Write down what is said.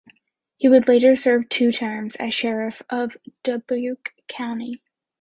He would later serve two terms as sheriff of Dubuque County.